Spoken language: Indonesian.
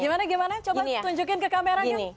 gimana gimana coba tunjukin ke kameranya